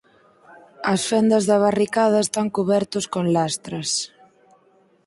As fendas da barricada están cubertos con lastras.